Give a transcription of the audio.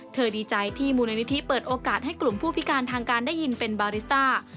ดีใจที่มูลนิธิเปิดโอกาสให้กลุ่มผู้พิการทางการได้ยินเป็นบาริต้า